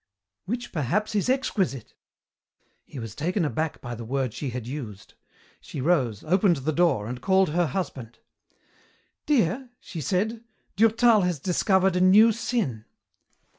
"Which, perhaps, is exquisite!" He was taken aback by the word she had used. She rose, opened the door, and called her husband. "Dear," she said, "Durtal has discovered a new sin!"